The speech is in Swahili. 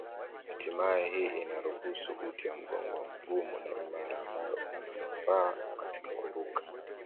Hatimaye hii inaruhusu uti wa mgongo mgumu na imara ambayo una manufaa katika kuruka.